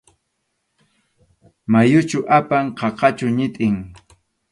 ¿Mayuchu apan?, ¿qaqachu ñitin?